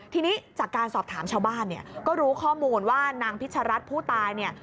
ทีนี้จากการสอบถามชาวบ้านก็รู้ข้อมูลว่านางพิชรัตน์ผู้ตาย